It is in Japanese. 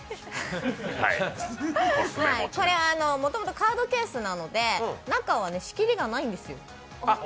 これ、もともとカードケースなので中は仕切りがないんですよ。